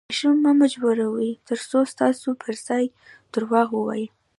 ماشوم مه مجبوروئ، ترڅو ستاسو پر ځای درواغ ووایي.